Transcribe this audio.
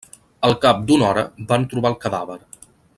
Al cap d'una hora van trobar el cadàver.